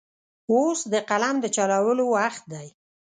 اوس د قلم د چلولو وخت دی.